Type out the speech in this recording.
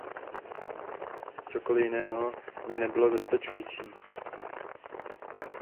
Cokoli jiného by nebylo dostačující.